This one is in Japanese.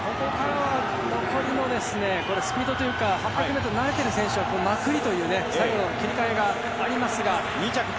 残りのスピードというか８００ｍが慣れている選手は、まくりというか、切り替えがあります。